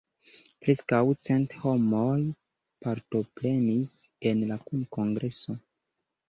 Preskaŭ cent homoj partoprenis en la kunkongreso.